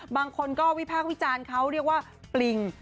บางคนหอวิหารประวัติธรรมดิ์เค้าเรียกว่าปลิง